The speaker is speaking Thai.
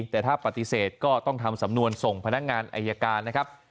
แต่ถ้าปฏิเสธก็ต้องทำสำนวนส่งพนักงานอายการนะครับ